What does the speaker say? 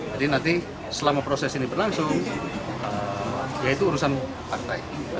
jadi nanti selama proses ini berlangsung ya itu urusan partai